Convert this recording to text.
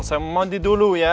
saya mau mandi dulu ya